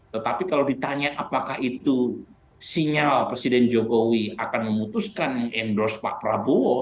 tetapi kalau ditanya apakah itu sinyal presiden jokowi akan memutuskan endorse pak prabowo